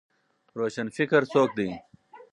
روشنفکر څوک دی؟